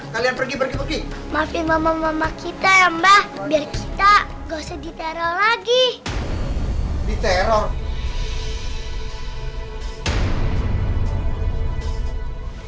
kalian pergi pergi pergi maafin mama mama kita ya mbah biar kita gosok diteror lagi diteror